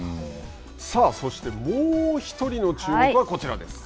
さあそしてもう１人の注目はこちらです。